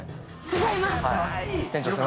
違います。